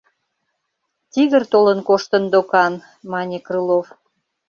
— Тигр толын коштын докан, — мане Крылов.